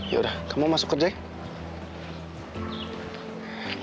yaudah kamu masuk ke dek